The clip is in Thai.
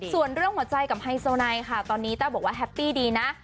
ส่วนเรื่องหัวใจกับไฮโซไนค่ะตอนนี้แต้วบอกว่าแฮปปี้ดีนะ